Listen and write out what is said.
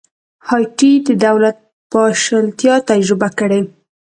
هایټي د دولت پاشلتیا تجربه کړې.